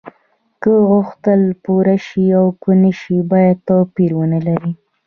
که غوښتنه پوره شي او که نشي باید توپیر ونلري.